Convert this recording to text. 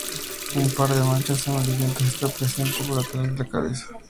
Un par de manchas amarillentas está presente por atrás de la cabeza.